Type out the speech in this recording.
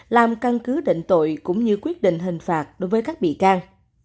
làm căn cứ định tội cũng như quyết định hình phạt đối với các bị can